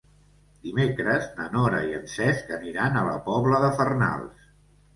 Dimecres na Nora i en Cesc aniran a la Pobla de Farnals.